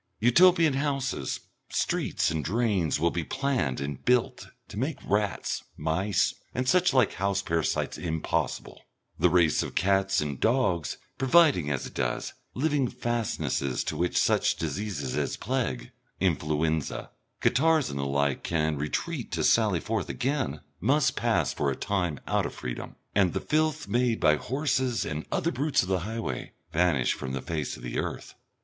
Utopian houses, streets and drains will be planned and built to make rats, mice, and such like house parasites impossible; the race of cats and dogs providing, as it does, living fastnesses to which such diseases as plague, influenza, catarrhs and the like, can retreat to sally forth again must pass for a time out of freedom, and the filth made by horses and the other brutes of the highway vanish from the face of the earth.